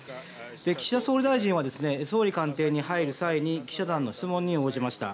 岸田総理大臣は総理官邸に入る際に記者団の質問に応じました。